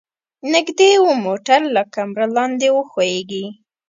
نږدې و موټر له کمره لاندې وښویيږي.